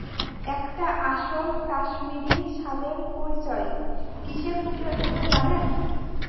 একটা আসল কাশ্মীরি শালের পরিচয় কিসে ফুটে উঠে জানেন?